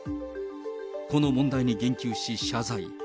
この問題に言及し、謝罪。